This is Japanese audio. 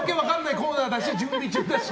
コーナーだし準備中だし。